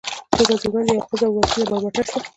څو ورځې وړاندې یوه ښځه وکیله برمته شوه.